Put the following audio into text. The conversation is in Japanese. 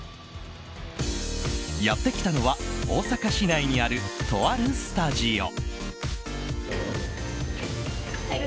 やってきたのは大阪市内にあるとあるスタジオ。